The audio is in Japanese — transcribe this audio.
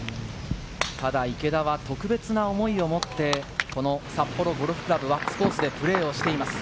ただ池田は特別な思いを持って、札幌ゴルフ倶楽部・輪厚コースでプレーしています。